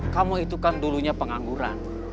kamu itu kan dulunya pengangguran